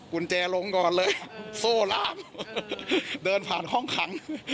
กุญแจลงก่อนเลยโซ่ล่ามเดินผ่านห้องขัง